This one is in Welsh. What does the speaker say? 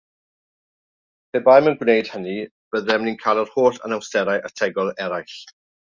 Pe baem ni'n gwneud hynny, byddem ni'n cael yr holl anawsterau ategol eraill.